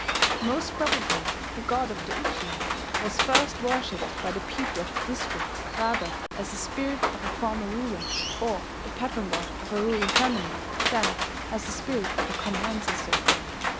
Most probably the god of the Uji was first worshipped by the people of the district rather as the spirit of a former ruler, or the patron god of a ruling family, than as the spirit of a common ancestor.